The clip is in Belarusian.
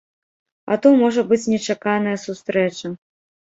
А то, можа быць нечаканая сустрэча.